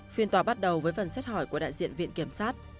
phiên tòa bắt đầu với phần xét hỏi của đại diện viện kiểm sát